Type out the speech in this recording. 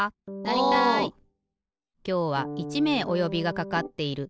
きょうは１めいおよびがかかっている。